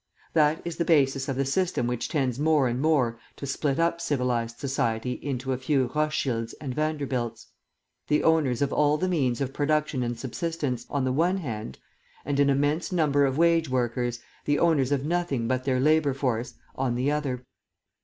That is the basis of the system which tends more and more to split up civilised society into a few Rothschilds and Vanderbilts, the owners of all the means of production and subsistence, on the one hand, and an immense number of wage workers, the owners of nothing but their labour force, on the other.